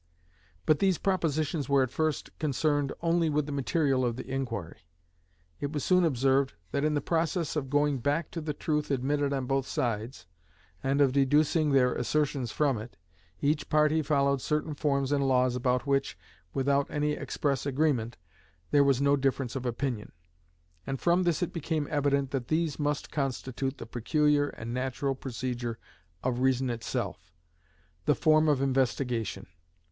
But these propositions were at first concerned only with the material of the inquiry. It was soon observed that in the process of going back to the truth admitted on both sides, and of deducing their assertions from it, each party followed certain forms and laws about which, without any express agreement, there was no difference of opinion. And from this it became evident that these must constitute the peculiar and natural procedure of reason itself, the form of investigation.